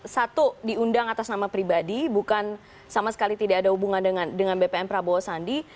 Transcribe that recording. satu diundang atas nama pribadi bukan sama sekali tidak ada hubungan dengan bpm prabowo sandi